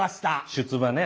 「出馬」ね。